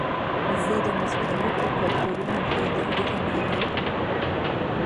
زه د مختلفو کلتورونو پیژندنې ته نه یم.